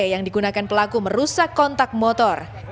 yang digunakan pelaku merusak kontak motor